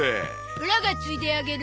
オラが注いであげる。